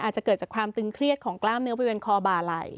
อาจจะเกิดจากความตึงเครียดของกล้ามเนื้อบริเวณคอบาไหล่